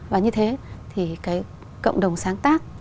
và như thế thì cộng đồng sáng tác